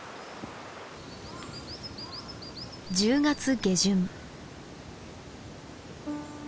１０月下旬。